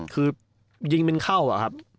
คือยิงเป็นเข้าอะครับ